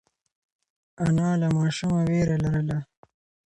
انا له ماشومه وېره لرله.